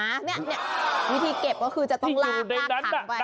นี่วิธีเก็บก็คือจะต้องลากลากถังไป